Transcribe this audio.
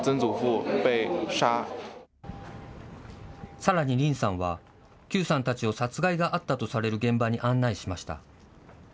さらに林さんは邱さんたちを殺害があったとされる現場に案内しました。